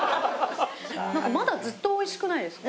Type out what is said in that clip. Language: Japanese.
まだずっとおいしくないですか？